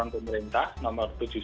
pemerintah nomor tujuh puluh satu